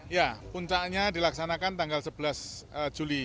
ya puncaknya dilaksanakan tanggal sebelas juli